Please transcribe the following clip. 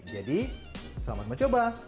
jadi selamat mencoba